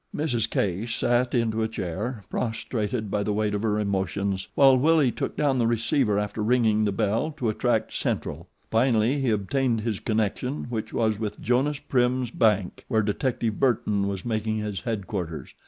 Mrs. Case sank into a chair, prostrated by the weight of her emotions, while Willie took down the receiver after ringing the bell to attract central. Finally he obtained his connection, which was with Jonas Prim's bank where detective Burton was making his headquarters.